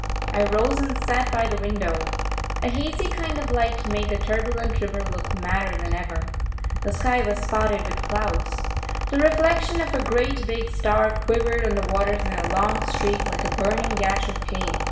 I rose and sat by the window. A hazy kind of light made the turbulent river look madder than ever. The sky was spotted with clouds. The reflection of a great big star quivered on the waters in a long streak, like a burning gash of pain.